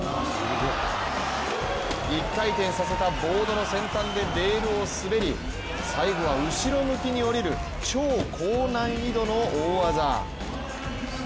１回転させたボードの先端でレールを滑り、最後は後ろ向きに降りる超高難易度の大技。